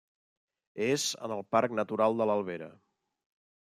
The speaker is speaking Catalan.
És en el parc natural de l'Albera.